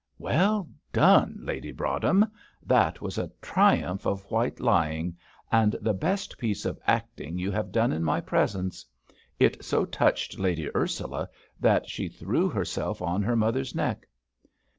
Well done, Lady Broadhem! that was a triumph of white lying, and the best piece of acting you have done in my presence; it so touched Lady Ursula that she threw herself on her mother's neck.